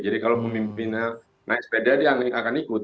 jadi kalau pemimpinnya naik sepeda dia akan ikut